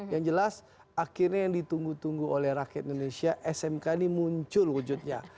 yang jelas akhirnya yang ditunggu tunggu oleh rakyat indonesia smk ini muncul wujudnya